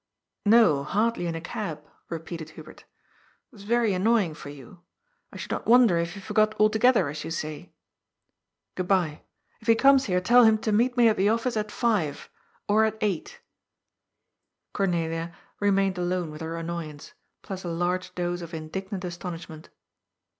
''" No ; hardly in a cab," repeated Habert " It is very annoying for yon. I should not wonder if he forgot al together, as yon say. Good bye. If he comes here, tell him to meet me at the OflGice at five. Or at eight" Cornelia remained alone with her annoyance, plus a large dose of indignant astonishment.